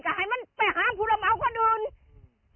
ทำให้เกิดปัชฎพลลั่นธมเหลืองผู้สื่อข่าวไทยรัฐทีวีครับ